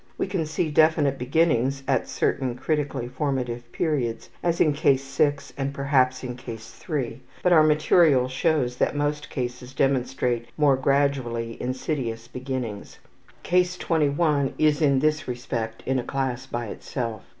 We can see definite beginnings at certain critically formative periods, as in Case 6 and perhaps in Case 3, but our material shows that most cases demonstrate more gradually insidious beginnings. (Case 21 is in this respect in a class by itself.)